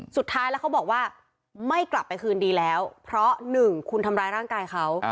สุดท้ายแล้วเขาบอกว่าไม่กลับไปคืนดีแล้วเพราะหนึ่งคุณทำร้ายร่างกายเขา